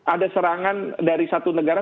ada serangan dari satu negara